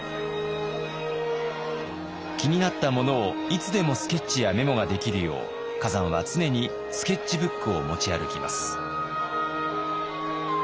気になったものをいつでもスケッチやメモができるよう崋山は常にスケッチブックを持ち歩きます。